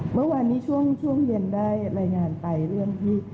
เมื่อวานนี้ช่วงเย็นได้รายงานไปเรื่องที่